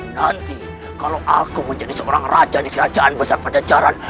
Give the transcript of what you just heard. nanti kalau aku menjadi seorang raja di kerajaan besar pajajaran